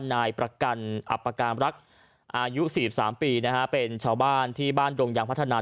นายประกันอัปกามรักอายุ๔๓ปีนะฮะเป็นชาวบ้านที่บ้านดงยางพัฒนา